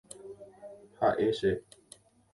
Ha'e che.